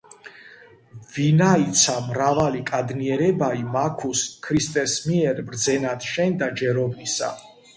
ვინაიცა მრავალი კადნიერებაი მაქუს ქრისტეს მიერ ბრძენად შენდა ჯეროვნისა.